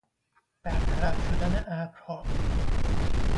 برطرف شدن ابرها